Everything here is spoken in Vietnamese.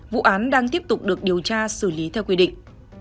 vụ án đang tiếp tục được điều tra xử lý theo quy định